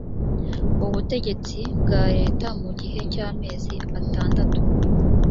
ubutegetsi bwa leta mu gihe cy’ amezi atandatu